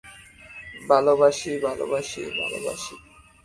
ভালবাসি, ভালবাসি, ভালবাসি।